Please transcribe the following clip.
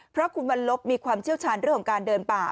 เพราะคุณวันลบมีความเชี่ยวชาญเรื่องของการเดินป่า